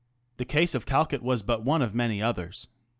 The case of Calcutt was but one of many others.